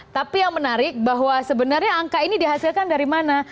tapi yang menarik bahwa sebenarnya angka ini dihasilkan dari mana